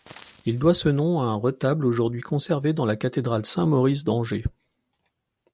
Il doit ce nom à un retable aujourd'hui conservé dans la cathédrale Saint-Maurice d'Angers.